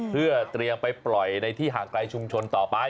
เพื่อเตรียมไปปล่อยในที่ห่างไกลชุมชนต่อไป